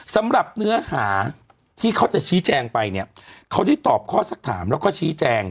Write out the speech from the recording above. สำหรับเนื้อหาที่เขาจะชี้แจงไปเนี่ยเขาได้ตอบข้อสักถามแล้วก็ชี้แจง